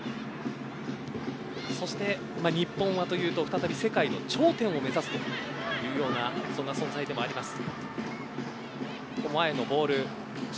そして日本はというと再び世界の頂点を目指すというようなそんな存在でもあります。